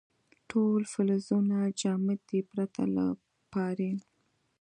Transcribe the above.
ټول فلزونه جامد دي پرته له پارې.